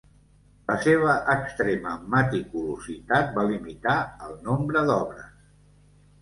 La seva extrema meticulositat va limitar el nombre d'obres.